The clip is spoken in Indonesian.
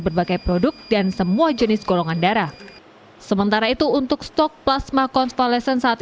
berbagai produk dan semua jenis golongan darah sementara itu untuk stok plasma konstalesen saat